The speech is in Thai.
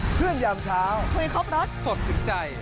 เครื่องยามเช้าคุยครบรสสดถึงใจ